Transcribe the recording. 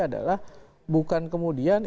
adalah bukan kemudian